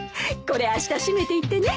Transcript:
これあした締めていってね。